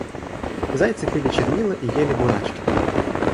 Зайцы пили чернила и ели бурачки!